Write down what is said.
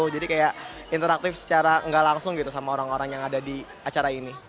jadi kayak interaktif secara gak langsung gitu sama orang orang yang ada di acara